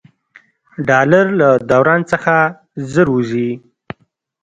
ډالر له دوران څخه ژر ووځي.